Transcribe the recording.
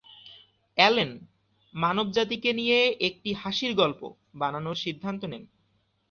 Allen "মানবজাতিকে নিয়ে একটি হাসির গল্প" বানানোর সিদ্ধান্ত নেন।